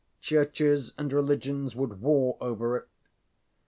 Churches and religions would war over it.